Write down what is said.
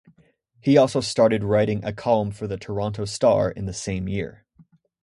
He also started writing a column for the "Toronto Star" in the same year.